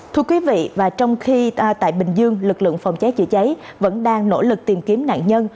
thưa quý vị và trong khi tại bình dương lực lượng phòng cháy chữa cháy vẫn đang nỗ lực tìm kiếm nạn nhân